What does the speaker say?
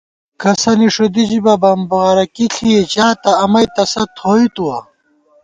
کسَنی ݭُدی ژِبہ بُمبارَکی ݪی ژاتہ امئ تسہ تھوئی تُوَہ